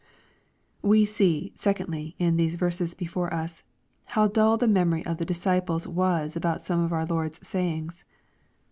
We see, secondly, in the verses before us, how dull the memory of the disciples was about some of our Lord's V sayings.